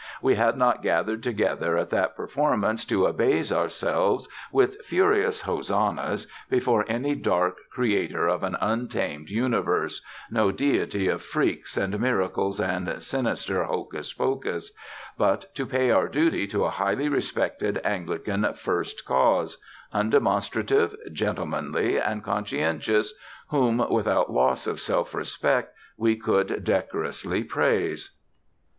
We had not gathered together at that performance to abase ourselves with furious hosannas before any dark Creator of an untamed Universe, no Deity of freaks and miracles and sinister hocus pocus; but to pay our duty to a highly respected Anglican First Cause undemonstrative, gentlemanly, and conscientious whom, without loss of self respect, we could decorously praise.